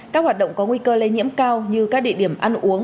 các hoạt động có nguy cơ lây nhiễm cao như các địa điểm ăn uống